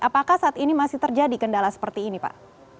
apakah saat ini masih terjadi kendala seperti ini pak